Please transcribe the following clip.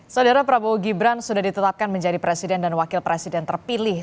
saudara prabowo gibran sudah ditetapkan menjadi presiden dan wakil presiden terpilih